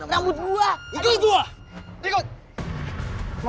dul tangguhin gua dul